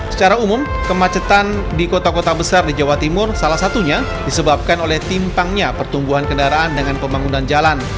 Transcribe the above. secara umum kemacetan di kota kota besar di jawa timur salah satunya disebabkan oleh timpangnya pertumbuhan kendaraan dengan pembangunan jalan